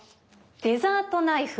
デザートナイフ。